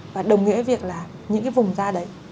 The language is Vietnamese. và đồng nghĩa với việc là những vùng da